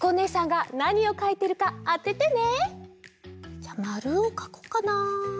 じゃあまるをかこうかな。